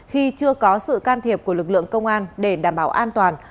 khi chưa có sự can thiệp của lực lượng công an để đảm bảo an toàn